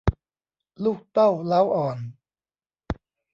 ลูกเต้าเล้าอ่อน